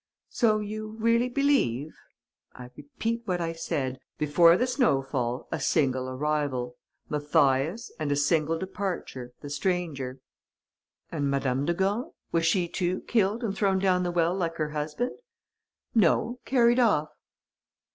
"So you really believe ...?" "I repeat what I said. Before the snowfall, a single arrival, Mathias, and a single departure, the stranger." "And Madame de Gorne? Was she too killed and thrown down the well like her husband?" "No, carried off."